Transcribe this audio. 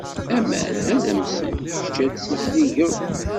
Aman ad amsen, kečč ad tizdigeḍ.